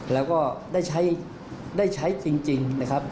แล้วก็ได้ใช้จริงนะครับ